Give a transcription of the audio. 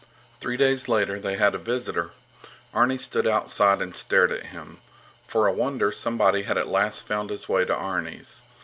Three days later they had a visitor. Arni stood outside and stared at him. For a wonder, somebody had at last found his way to Arni's.